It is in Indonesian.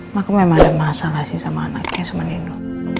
maka memang ada masalah sih sama anaknya sama nino